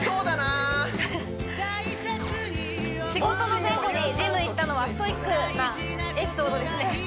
仕事の前後にジム行ったのはストイックなエピソードですね